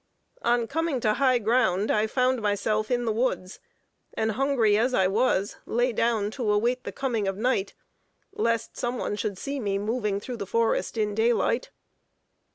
On coming to high ground I found myself in the woods, and hungry as I was, lay down to await the coming of night, lest some one should see me moving through the forest in daylight.